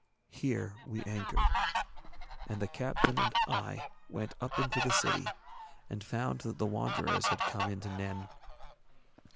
Here we anchored, and the captain and I went up into the city and found that the Wanderers had come into Nen.